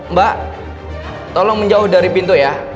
mbak tolong menjauh dari pintu ya